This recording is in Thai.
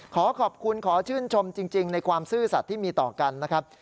ขอขอบคุณขอชื่นชมจริงในความซื่อสัตว์ที่มีต่อกันนะครับ